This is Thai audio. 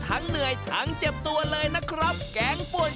อันนี้ถูกสุด